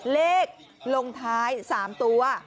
เลขลงท้าย๓ตัว